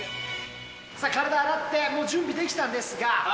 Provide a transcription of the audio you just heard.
さあ、体洗って、もう準備できたんですが。